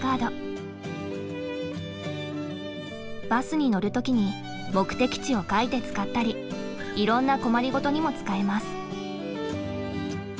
バスに乗る時に目的地を書いて使ったりいろんな困りごとにも使えます。